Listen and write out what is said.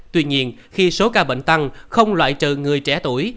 tuy nhiên khi số ca bệnh tăng không loại trừ người trẻ tuổi